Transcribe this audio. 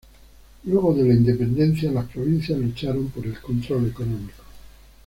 Luego de la independencia las provincias lucharon por el control económico.